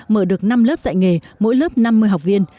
mở được năm lớp dạy nghề mỗi lớp năm mươi học viên